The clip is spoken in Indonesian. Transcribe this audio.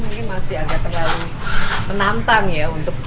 mungkin masih agak terlalu menantang ya untuk